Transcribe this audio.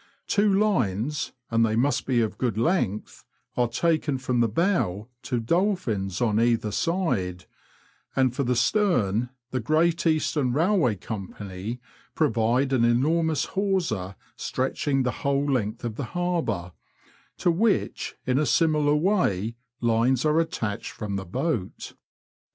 Two lines (and they must be of good length) are taken from the bow to dolphins on either side, and for the stern the Great Eastern Eailway Company provide an enormous hawser stretching the whole length of the Harbour, to which in a similar way lines are attached from the boat